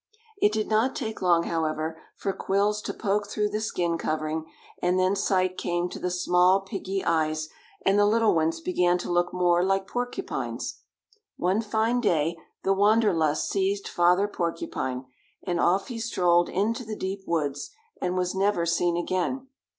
It did not take long, however, for quills to poke through the skin covering, and then sight came to the small, piggy eyes, and the little ones began to look more like porcupines. One fine day the wanderlust seized Father Porcupine, and off he strolled into the deep woods, and was never seen again.